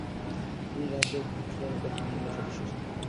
তিনি রাজ্যের কাউন্সিলের প্রথম মহিলা সদস্য ছিলেন।